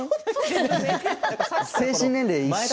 精神年齢は一緒？